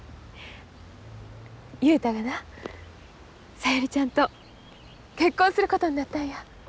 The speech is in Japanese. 雄太がな小百合ちゃんと結婚することになったんや。